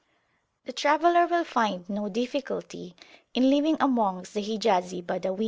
The traveller will find no difficulty in living amongst the Hijazi Badawin.